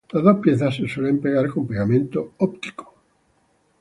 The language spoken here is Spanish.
Las dos piezas se suelen pegar con pegamento óptico.